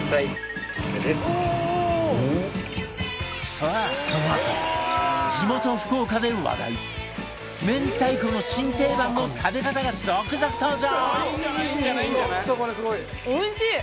さあこのあと地元福岡で話題明太子の新定番の食べ方が続々登場！